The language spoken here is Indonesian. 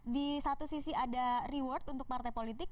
di satu sisi ada reward untuk partai politik